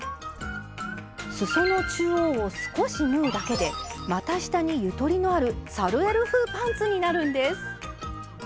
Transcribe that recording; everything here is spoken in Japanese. すその中央を少し縫うだけで股下にゆとりのあるサルエル風パンツになるんです。